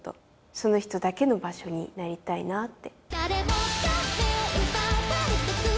その人だけの場所になりたいなって。